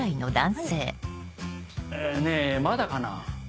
ねぇまだかな？